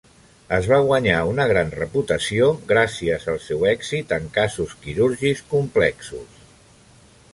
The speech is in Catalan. Es va guanyar una gran reputació gràcies al seu èxit en casos quirúrgics complexos.